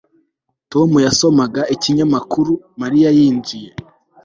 Tom yasomaga ikinyamakuru Mariya yinjiye